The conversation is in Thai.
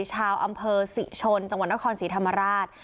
ชาวอำเภอศรีชนจังหวัดนครศรีธรรมราช